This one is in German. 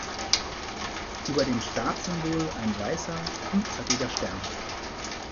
Über dem Staatssymbol ein weißer fünfzackiger Stern.